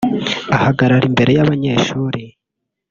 uhagarara imbere y’abanyeshuri”